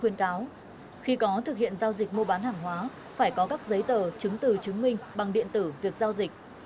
khuyên cáo khi có thực hiện giao dịch mua bán hàng hóa phải có các giấy tờ chứng từ chứng minh bằng điện tử việc giao dịch